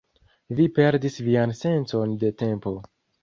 Vi perdis vian sencon de tempo